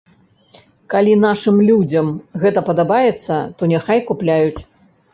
Калі нашым людзям гэта падабаецца, то няхай купляюць.